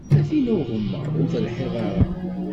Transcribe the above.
A tinn-a n ugemmaḍ, ur telhiḍ ara.